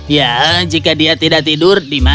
ya jika dia tidak tidur di masjid